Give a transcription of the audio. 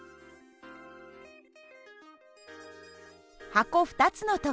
箱２つの時